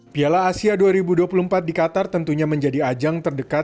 piala asia dua ribu dua puluh empat di qatar tentunya menjadi ajang tersebut